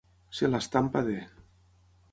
Ser l'estampa de.